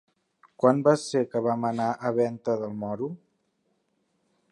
Quan va ser que vam anar a Venta del Moro?